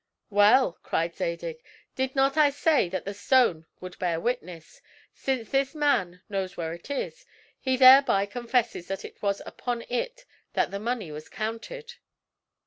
"Well," cried Zadig, "did not I say that the stone would bear witness? Since this man knows where it is, he thereby confesses that it was upon it that the money was counted."